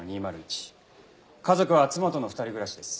家族は妻との二人暮らしです。